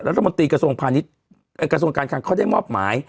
รัฐมนตรีกระทรวงพาณิชย์กระทรวงการคังเขาได้มอบหมาย